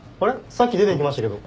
さっき出ていきましたけど。